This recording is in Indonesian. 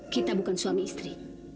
kita bukan suami istri